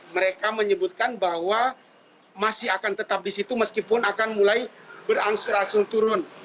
mereka menyebutkan bahwa masih akan tetap di situ meskipun akan mulai berangsur angsur turun